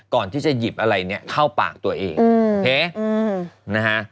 ก่อนที่จะหยิบอะไรเนี่ยเข้าปากตัวเองนะฮะ